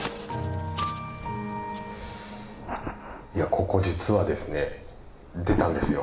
ここ実はですね出たんですよ。